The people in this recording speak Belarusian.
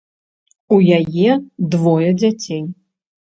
У яе двое дзяцей.